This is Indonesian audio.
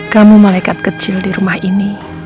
kamu malaikat kecil di rumah ini